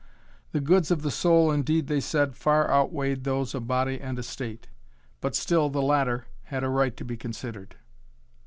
The goods of the soul indeed, they said, far outweighed those of body and estate, but still the latter had a right to be considered.